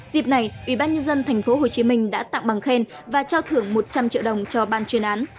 dịp này ủy ban nhân dân tp hcm đã tặng bằng khen và trao thưởng một trăm linh triệu đồng cho ban chuyên án